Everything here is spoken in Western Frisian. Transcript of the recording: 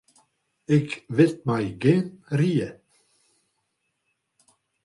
Ik wit my gjin rie.